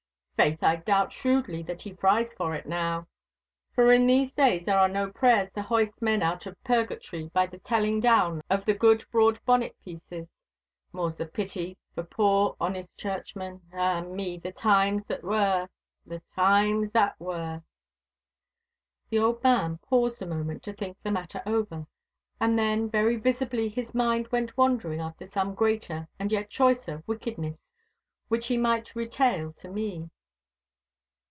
'Faith, I doubt shrewdly that he fries for it now. For in these days there are no prayers to hoist men out of purgatory by the telling down of the good broad bonnet pieces—more's the pity for poor honest churchmen! Ah me, the times that were! The times that were!' The old man paused a moment to think the matter over, and then very visibly his mind went wandering after some greater and yet choicer wickedness which he might retail to me.